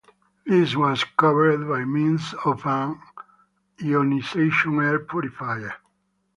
This was covered by means of an ionisation air purifier.